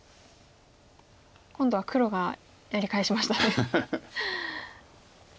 今度は黒がやり返しましたね。